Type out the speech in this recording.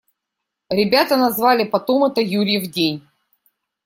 Ребята назвали потом это «Юрьев день».